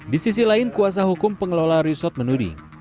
di sisi lain kuasa hukum pengelola resort menuding